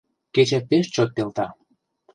Кече пеш чот пелта.